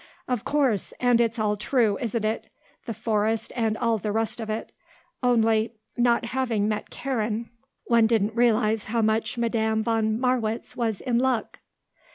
"Of course; and it's all true, isn't it; the forest and all the rest of it. Only, not having met Karen, one didn't realize how much Madame von Marwitz was in luck."